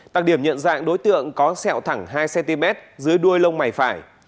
đặc điểm nhận dạng đối tượng có sẹo thẳng hai cm dưới đuôi lông mày phải